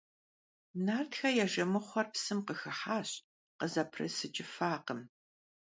Nartxe ya jjemıxhuer psım khıxıhaş – khızeprıç'ıfakhım.